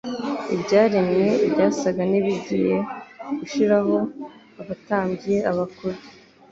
Ibyaremwe byasaga n'ibigiye gushiraho. abatambyi, abakuru,